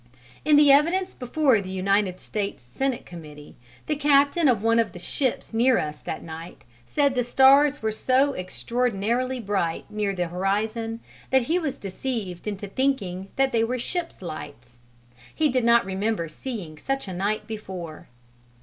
In the evidence before the United States Senate Committee the captain of one of the ships near us that night said the stars were so extraordinarily bright near the horizon that he was deceived into thinking that they were ships' lights: he did not remember seeing such a night before.